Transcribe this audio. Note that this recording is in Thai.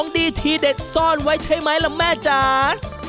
ด้วยน้อยไปเลยค่ะ